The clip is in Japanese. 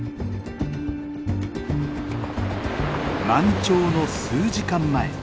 満潮の数時間前。